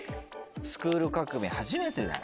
『スクール革命！』で初めてだよ。